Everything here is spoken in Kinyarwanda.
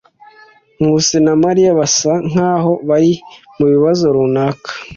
Nkusi na Mariya basa nkaho bari mubibazo runaka.